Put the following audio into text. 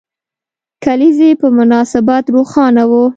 کلیزې په مناسبت روښانه وو.